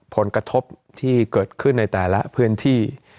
ผลกระทบที่เกิดขึ้นในแต่ละพื้นที่